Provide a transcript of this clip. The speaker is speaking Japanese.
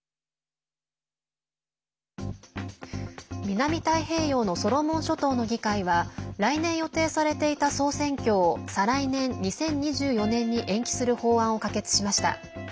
南太平洋のソロモン諸島の議会は来年予定されていた総選挙を再来年、２０２４年に延期する法案を可決しました。